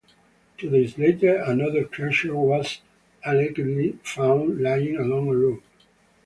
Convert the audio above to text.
Two days later, another creature was allegedly found lying along a road.